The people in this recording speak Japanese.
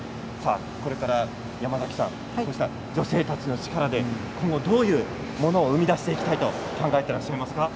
これから女性たちの力で今後どういうものを生み出していきたいと考えてらっしゃいますか。